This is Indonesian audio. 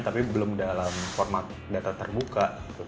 tapi belum dalam format data terbuka